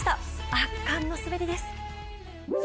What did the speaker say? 圧巻の滑りです。